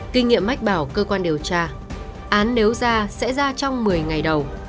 kinh nghiệm mách bảo cơ quan điều tra án nếu ra sẽ ra trong một mươi ngày đầu